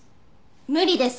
無理です